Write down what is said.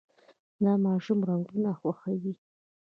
دا ماشوم رنګونه خوښوي.